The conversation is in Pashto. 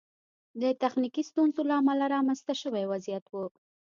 د تخنیکي ستونزو له امله رامنځته شوی وضعیت و.